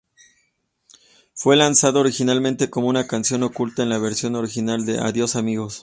Fue lanzado originalmente como una canción oculta en la versión original de "¡Adiós Amigos!